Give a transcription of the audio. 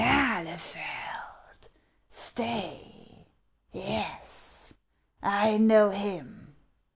" D'Ahlefeld ! Stay ; yes, I know him.